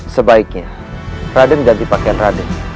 sebaiknya raden ganti pakaian raden